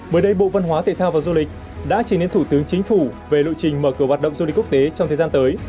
bữa đây bộ văn hóa tệ thao và du lịch đã chỉnh đến thủ tướng chính phủ về lựu trình mở cửa hoạt động du lịch quốc tế trong thời gian tới